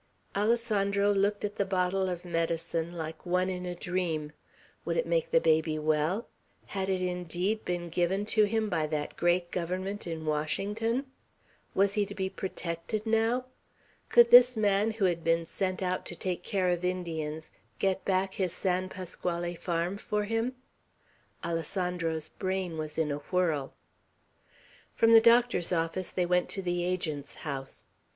Alessandro looked at the bottle of medicine like one in a dream. Would it make the baby well? Had it indeed been given to him by that great Government in Washington? Was he to be protected now? Could this man, who had been sent out to take care of Indians, get back his San Pasquale farm for him? Alessandro's brain was in a whirl. From the doctor's office they went to the Agent's house.